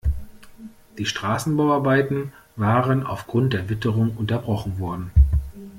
Die Straßenbauarbeiten waren aufgrund der Witterung unterbrochen worden.